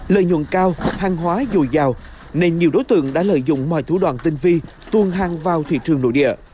lợi nhuận cao hàng hóa dồi dào nên nhiều đối tượng đã lợi dụng mọi thủ đoàn tinh vi tuồng hàng vào thị trường nội địa